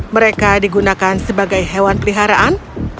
mereka digunakan sebagai hewan peliharaan